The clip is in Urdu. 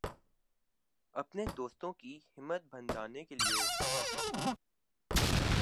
اپنے دوستوں کی ہمت بندھانے کے لئے